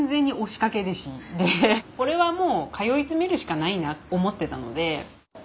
これはもう通いつめるしかないなと思ってたので。